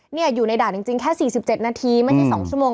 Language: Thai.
อยู่ในด่านจริงแค่๔๗นาทีไม่ใช่๒ชั่วโมง